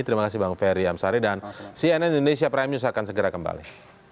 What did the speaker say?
terima kasih bang ferry amsari dan cnn indonesia prime news akan segera kembali